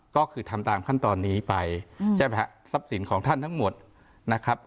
ก็คือทำตามขั้นตอนนี้ไปใช่ไหมฮะทรัพย์สินของท่านทั้งหมดนะครับ